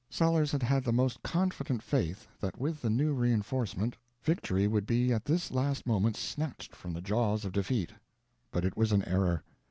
Sellers had had the most confident faith that with the new reinforcement victory would be at this last moment snatched from the jaws of defeat, but it was an error.